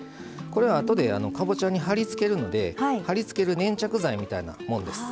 これはあとでかぼちゃにはりつけるのではりつける粘着剤みたいなもんです。